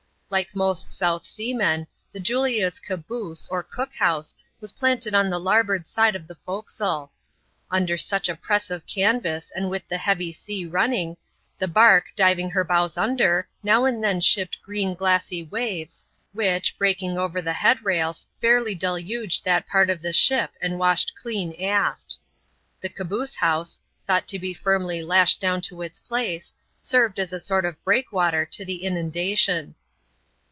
like most South Seamen^ the Julia's '^ caboose," or cook house, was planted on the larboard side of the forecastle. Under such a press of canvas, and with the heavy sea running, the barque, diving her bows under, now and then shipped green glassj waves, which, breaking over the head rails, fairly deluged that part of the ship and washed clean aft. The caboose house — thought to be firmly lashed down to its place — served as a sort of breakwater to the inundation.